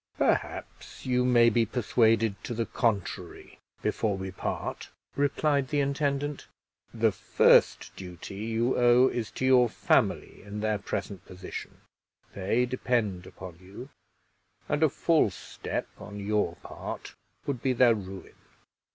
"Perhaps you may be persuaded to the contrary before we part," replied the intendant. "The first duty you owe is to your family in their present position; they depend upon you; and a false step on your part would be their ruin.